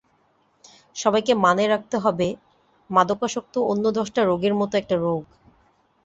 সবাইকে মানে রাখতে হবে মাদকাসক্ত অন্য দশটা রোগের মতো একটা রোগ।